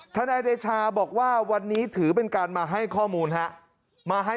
นายเดชาบอกว่าวันนี้ถือเป็นการมาให้ข้อมูลฮะ